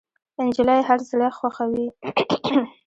نجلۍ هر زړه خوښوي.